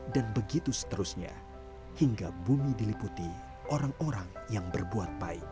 dan begitu seterusnya hingga bumi diliputi orang orang yang berbuat baik